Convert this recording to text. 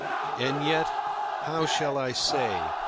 And yet how shall I say?